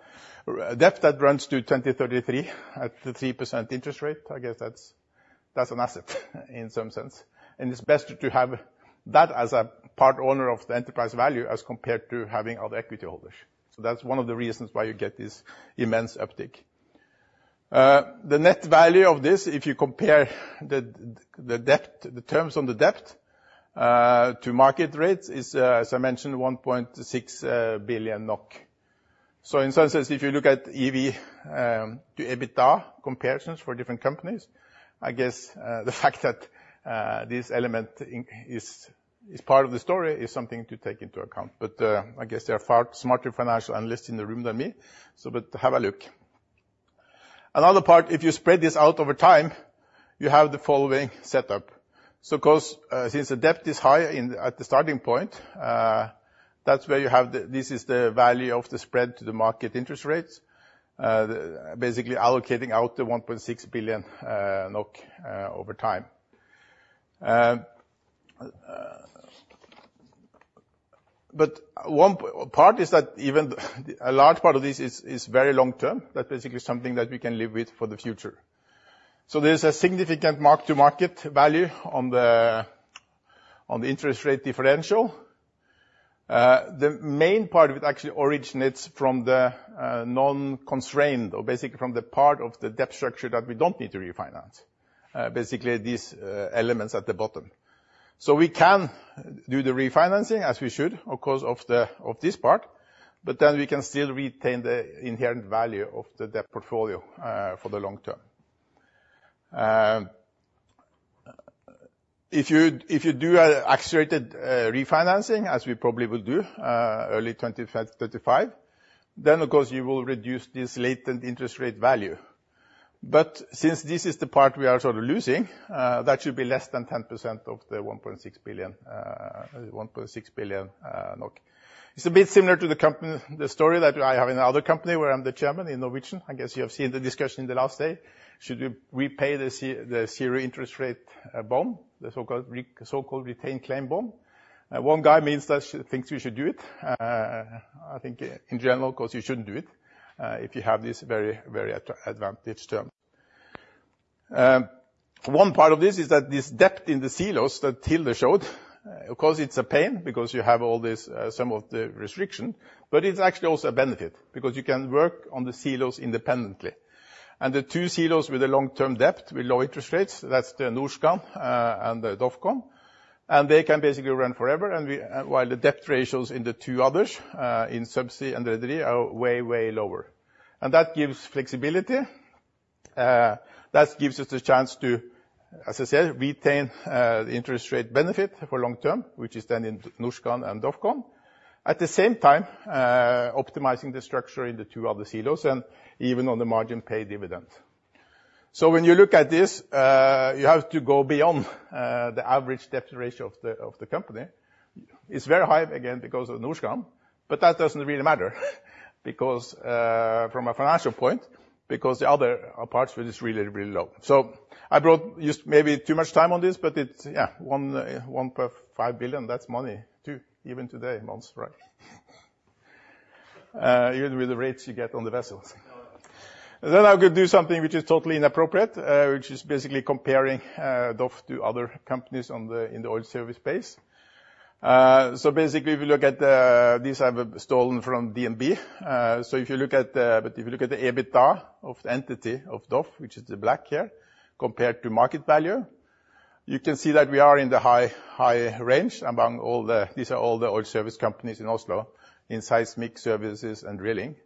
debt that runs to 2033 at the 3% interest rate, I guess that's an asset in some sense. It's best to have that as a part owner of the enterprise value as compared to having other equity holders. That's one of the reasons why you get this immense uptick. The net value of this, if you compare the terms on the debt to market rates, is, as I mentioned, 1.6 billion NOK. In some sense, if you look at EV to EBITDA comparisons for different companies, I guess the fact that this element is part of the story is something to take into account. I guess there are far smarter financial analysts in the room than me, but have a look. Another part, if you spread this out over time, you have the following setup. Since the depth is high at the starting point, that's where you have this is the value of the spread to the market interest rates, basically allocating out the 1.6 billion NOK over time. One part is that even a large part of this is very long-term. That's basically something that we can live with for the future. There's a significant mark-to-market value on the interest rate differential. The main part of it actually originates from the non-constrained or basically from the part of the depth structure that we don't need to refinance, basically these elements at the bottom. We can do the refinancing as we should because of this part, but then we can still retain the inherent value of the debt portfolio for the long-term. If you do accelerated refinancing, as we probably will do early 2035, then of course you will reduce this latent interest rate value. Since this is the part we are sort of losing, that should be less than 10% of the 1.6 billion. It's a bit similar to the story that I have in the other company where I'm the chairman in Norwegian. I guess you have seen the discussion in the last day. Should we pay the zero interest rate bond, the so-called retained claim bond? One guy thinks you should do it. I think in general, of course, you shouldn't do it if you have these very advantageous terms. One part of this is that this debt in the silos that Hilde showed, of course, it's a pain because you have some of the restriction, but it's actually also a benefit because you can work on the silos independently. The two silos with the long-term debt with low interest rates, that's the Norskan and the DOFCON, they can basically run forever, while the debt ratios in the two others, in subsea and rederi, are way, way lower. That gives flexibility. That gives us the chance to, as I said, retain the interest rate benefit for long-term, which is then in Norskan and DOFCON, at the same time optimizing the structure in the two other silos and even on the margin pay dividend. When you look at this, you have to go beyond the average debt ratio of the company. It's very high again because of Norskan, but that doesn't really matter from a financial point because the other parts are really, really low. I used maybe too much time on this, but $1.5 billion, that's money too, even today, Mons Aase. Even with the rates you get on the vessels. Then I could do something which is totally inappropriate, which is basically comparing DOF to other companies in the oil service space. Basically, we look at these. I've stolen from DNB. If you look at the EBITDA of the entity of DOF, which is the black here, compared to market value, you can see that we are in the high range among all these. These are all the oil service companies in Oslo in seismic services and drilling.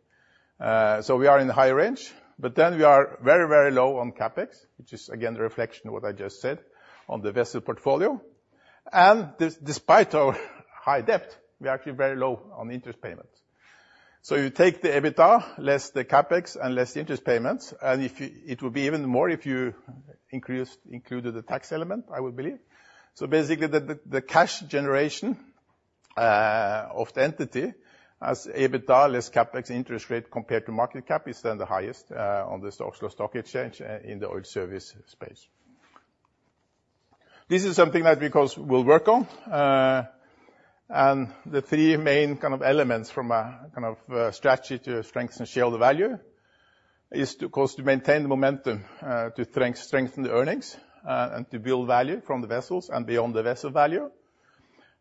We are in the high range, but then we are very, very low on Capex, which is again a reflection of what I just said on the vessel portfolio. Despite our high debt, we are actually very low on interest payments. You take the EBITDA, less the Capex, and less interest payments, and it will be even more if you included the tax element, I would believe. Basically, the cash generation of the entity as EBITDA, less Capex, interest, rate compared to market cap is then the highest on the Oslo Stock Exchange in the oil service space. This is something that we will work on. The three main elements from a strategy to strengthen shareholder value is to maintain the momentum, to strengthen the earnings, and to build value from the vessels and beyond the vessel value,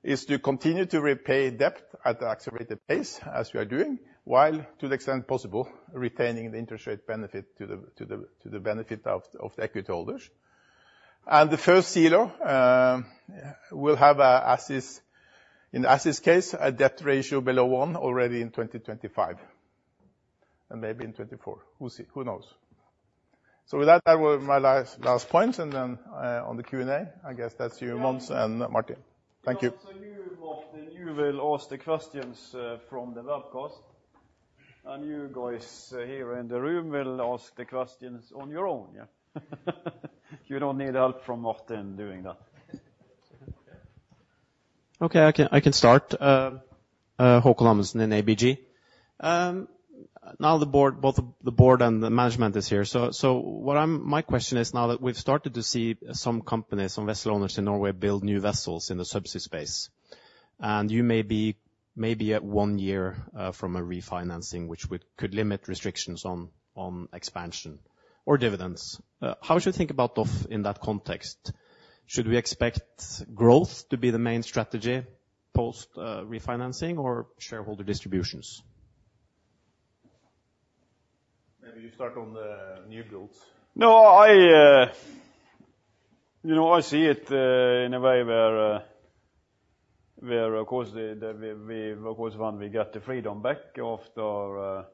is to continue to repay debt at an accelerated pace as we are doing while, to the extent possible, retaining the interest rate benefit to the benefit of the equity holders. The first silo will have in the AS case, a debt ratio below 1 already in 2025 and maybe in 2024. Who knows? With that, that were my last points, and then on the Q&A, I guess that's you, Mons, and Martin. Thank you. Thank you, Martin. You will ask the questions from the webcast, and you guys here in the room will ask the questions on your own. You don't need help from Martin doing that. Okay, I can start. Haakon Amundsen in ABG. Now both the board and the management is here. My question is now that we've started to see some companies, some vessel owners in Norway, build new vessels in the subsea space, and you may be at one year from a refinancing which could limit restrictions on expansion or dividends. How should we think about DOF in that context? Should we expect growth to be the main strategy post-refinancing or shareholder distributions? Maybe you start on the new builds. No, I see it in a way where, of course, when we get the freedom back after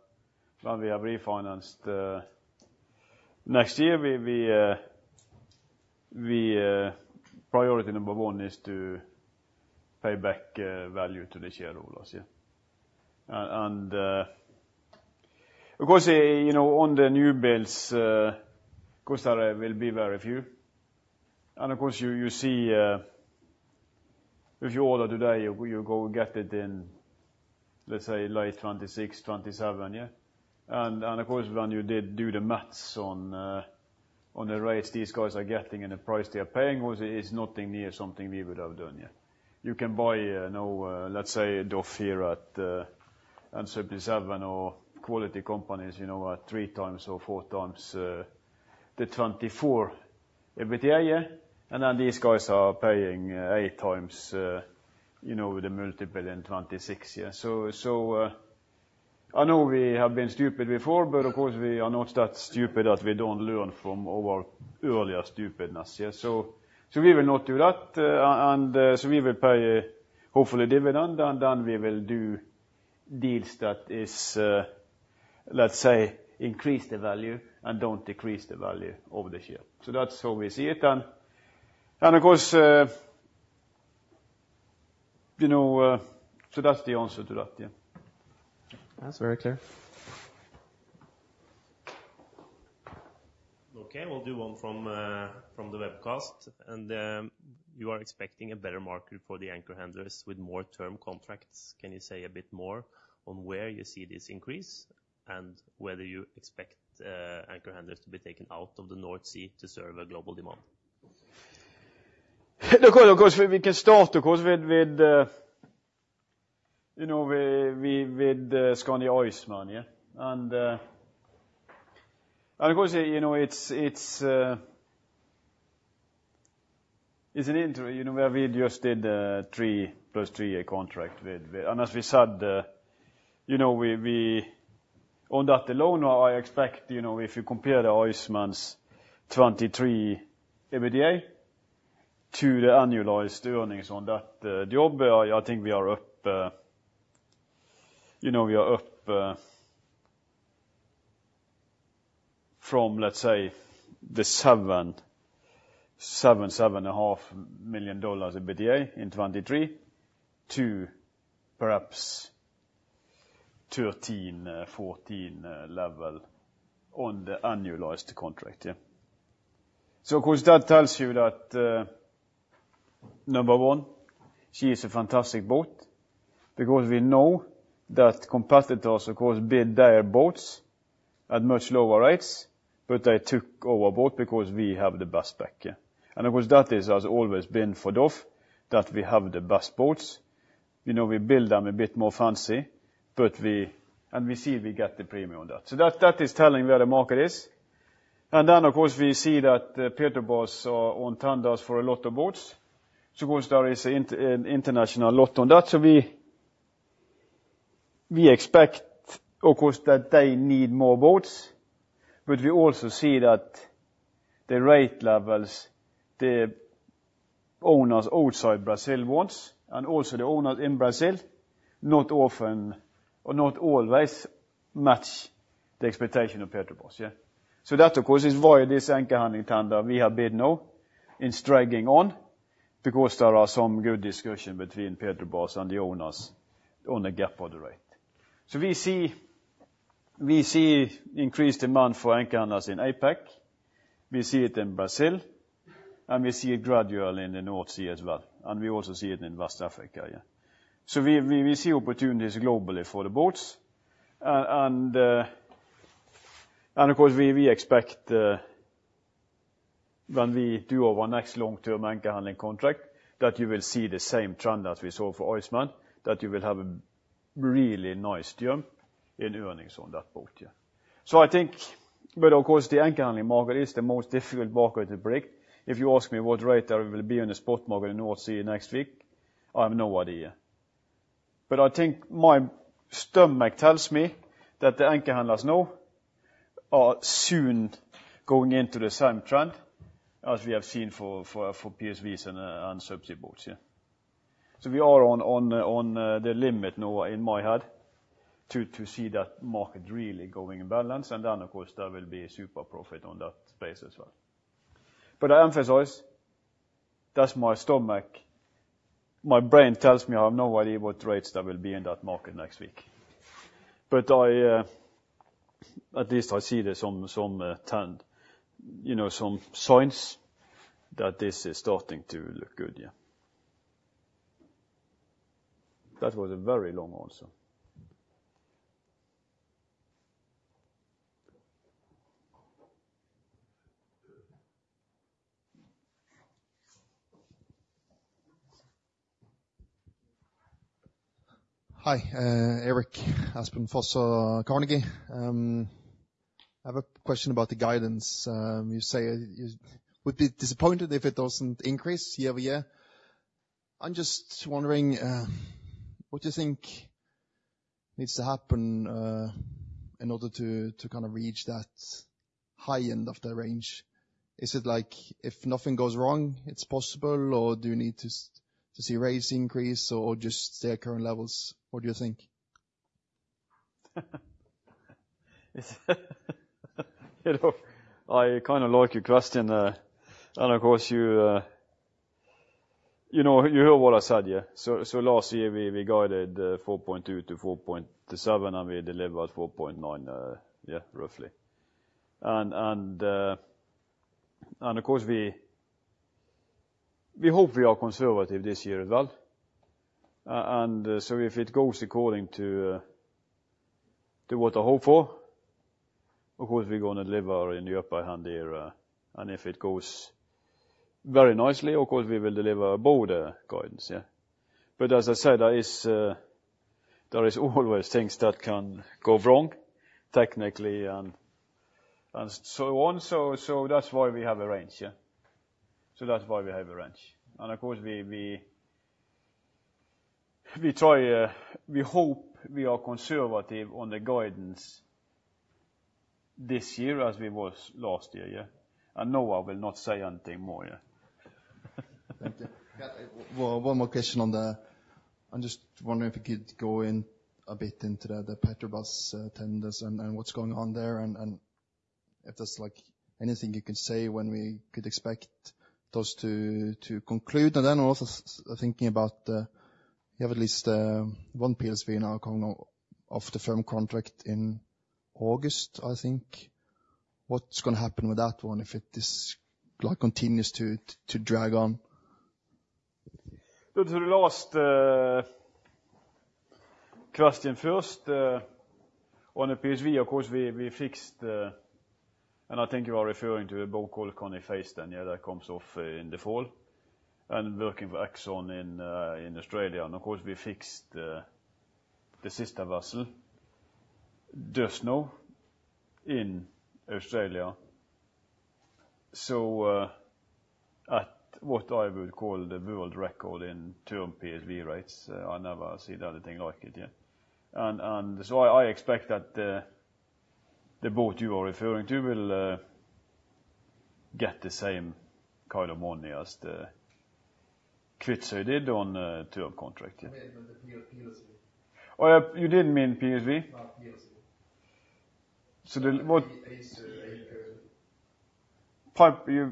when we have refinanced next year, priority number one is to pay back value to the shareholders. Of course, on the new builds, costs will be very few. Of course, if you order today, you go get it in, let's say, late 2026, 2027. Of course, when you do the math on the rates these guys are getting and the price they are paying, it's nothing near something we would have done. You can buy, let's say, DOF here at 77 or quality companies at 3x or 4x the 2024 EBITDA, and then these guys are paying 8x the multiple in 2026. I know we have been stupid before, but of course, we are not that stupid that we don't learn from our earlier stupidness. We will not do that, and we will pay hopefully dividend, and then we will do deals that, let's say, increase the value and don't decrease the value of the share. That's how we see it. Of course, that's the answer to that. That's very clear. Okay, we'll do one from the webcast. You are expecting a better market for the anchor handlers with more term contracts. Can you say a bit more on where you see this increase and whether you expect anchor handlers to be taken out of the North Sea to serve a global demand? Of course, we can start with Skandi Iceman. Of course, it's an interest where we just did 3 + 3 a contract with, and as we said, on that alone, I expect if you compare the Iceman's 2023 EBITDA to the annualized earnings on that job, I think we are up from, let's say, the $7-$7.5 million EBITDA in 2023 to perhaps $13-$14 million level on the annualized contract. Of course, that tells you that number one, she is a fantastic boat because we know that competitors, of course, bid their boats at much lower rates, but they took our boat because we have the best back. Of course, that has always been for DOF, that we have the best boats. We build them a bit more fancy, and we see we get the premium on that. That is telling where the market is. Then, of course, we see that Petrobras is on tender for a lot of boats. Of course, there is an international lot on that, so we expect, of course, that they need more boats, but we also see that the rate levels, the owners outside Brazil ones, and also the owners in Brazil, not often or not always match the expectation of Petrobras. That, of course, is why this anchor handling tender we have bid now is dragging on because there are some good discussions between Petrobras and the owners on a gap of the rate. We see increased demand for anchor handlers in APAC. We see it in Brazil, and we see it gradually in the North Sea as well, and we also see it in West Africa. We see opportunities globally for the boats, and of course, we expect when we do our next long-term anchor handling contract that you will see the same trend that we saw for Iceman, that you will have a really nice term in earnings on that boat. I think, but of course, the anchor handling market is the most difficult market to predict. If you ask me what rate there will be on the spot market in the North Sea next week, I have no idea. I think my stomach tells me that the anchor handlers now are soon going into the same trend as we have seen for PSVs and subsea boats. We are on the limit now in my head to see that market really going in balance, and then, of course, there will be super profit on that space as well. I emphasize, that's my stomach. My brain tells me I have no idea what rates there will be in that market next week, but at least I see this as some signs that this is starting to look good. That was a very long answer. Hi, Erik Aspen Fosså, Carnegie. I have a question about the guidance. You say we'd be disappointed if it doesn't increase year-over-year. I'm just wondering what do you think needs to happen in order to reach that high end of the range? Is it like if nothing goes wrong, it's possible, or do you need to see rates increase or just stay at current levels? What do you think? I kind of like your question, and of course, you heard what I said. Last year, we guided 4.2-4.7, and we delivered 4.9, roughly. Of course, we hope we are conservative this year as well. If it goes according to what I hope for, of course, we're going to deliver in the upper end here, and if it goes very nicely, of course, we will deliver above guidance. As I said, there are always things that can go wrong technically and so on, so that's why we have a range. That's why we have a range. Of course, we hope we are conservative on the guidance this year as we were last year, and now I will not say anything more. Thank you. One more question on the—I'm just wondering if we could go in a bit into the Petrobras' tenders and what's going on there and if there's anything you can say when we could expect those to conclude. Then also thinking about you have at least one PSV now coming off the firm contract in August, I think. What's going to happen with that one if it continues to drag on? To the last question first on the PSV, of course, we fixed, and I think you are referring to the Bayu-Undan phase then that comes off in the fall and working for Exxon in Australia. Of course, we fixed the sister vessel, Skandi Sotra, in Australia. At what I would call the world record in term PSV rates, I never seen anything like it yet. I expect that the boat you are referring to will get the same kind of money as the Kvitsøy they did on term contract. [CROSSTALK] You didn't mean PSV? No. PSV. Pipeline.Oh,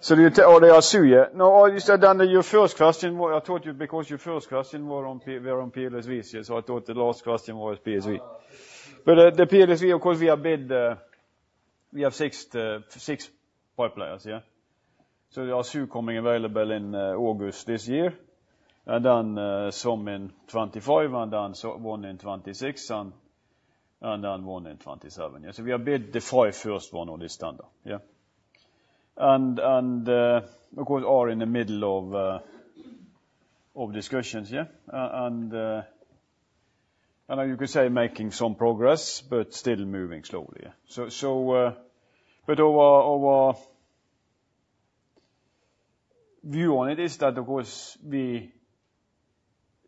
the PLSV. No, you said then your first question I thought because your first question were on PSVs, so I thought the last question was PSV. The PSV, of course, we have fixed six pipelines. They are soon coming available in August this year, and then some in 2025, and then one in 2026, and then one in 2027. We have bid the five first ones on this tender. Of course, we are in the middle of discussions, and you could say making some progress but still moving slowly. Our view on it is that, of course, we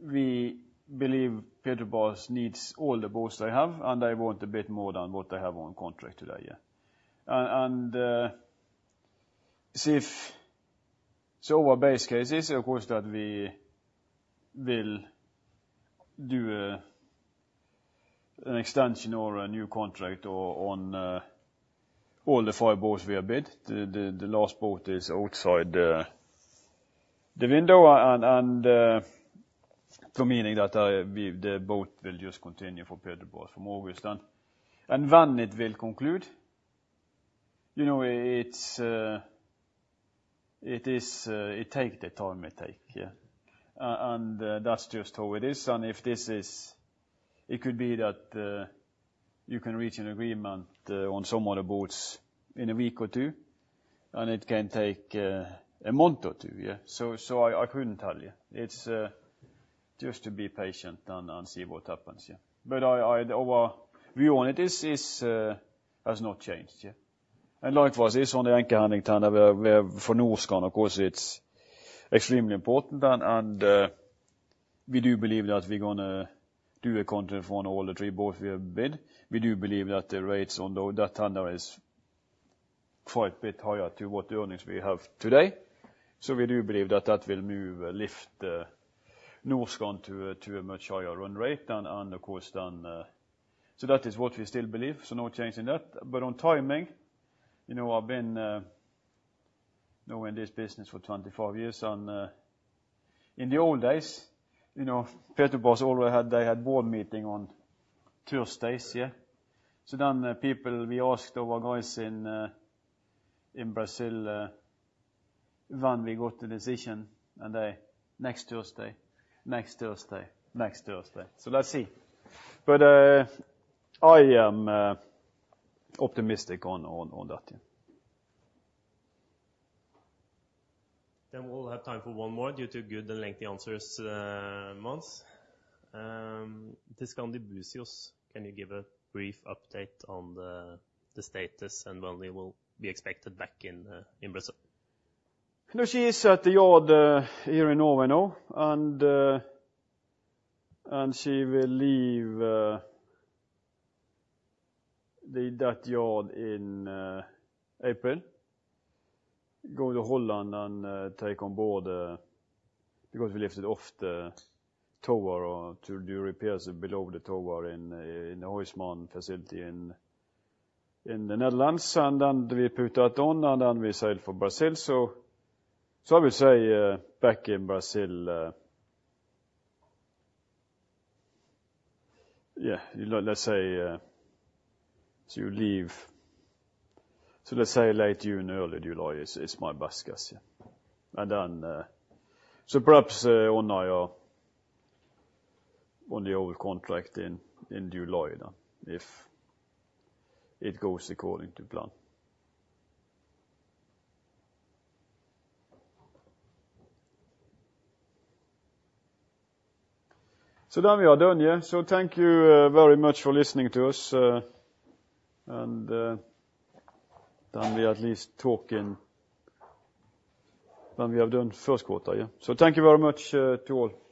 believe Petrobras needs all the boats they have, and they want a bit more than what they have on contract today. Our base case is, of course, that we will do an extension or a new contract on all the five boats we have bid. The last boat is outside the window, meaning that the boat will just continue for Petrobras from August then. When it will conclude, it takes the time it takes, and that's just how it is. It could be that you can reach an agreement on some of the boats in a week or two, and it can take a month or two. I couldn't tell you. It's just to be patient and see what happens. Our view on it has not changed. Likewise, this on the anchor handling tender, for Norskan, of course, it's extremely important, and we do believe that we're going to do a contract on all the three boats we have bid. We do believe that the rates on that tender are quite a bit higher to what earnings we have today, so we do believe that that will lift Norskan to a much higher run rate. Of course, that is what we still believe, so no change in that. On timing, I've been in this business for 25 years, and in the old days, Petrobras always had board meeting on Thursdays. Then people, we asked our guys in Brazil when we got the decision, and they said, "Next Thursday. Next Thursday. Next Thursday." Let's see. I am optimistic on that. Then we'll have time for one more due to good and lengthy answers, Mons Aase. To Skandi Buzios, can you give a brief update on the status and when they will be expected back in Brazil? She is at the yard here in Norway now, and she will leave that yard in April, go to Holland, and take on board because we lifted off the tower to do repairs below the tower in the Iceman facility in the Netherlands, and then we put that on, and then we sail for Brazil. I would say back in Brazil, let's say you leave late June, early July, is my best guess. Perhaps on the old contract in July then if it goes according to plan. Then we are done. Thank you very much for listening to us. Then we at least talk in then we have done first quarter. Thank you very much to all.